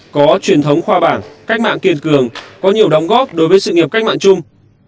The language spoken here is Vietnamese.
có truyền thống khoa bảng cách mạng kiên cường có nhiều đóng góp đối với sự nghiệp cách mạng chung